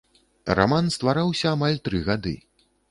Раман ствараўся амаль тры гады.